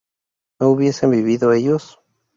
¿no hubiesen vivido ellos?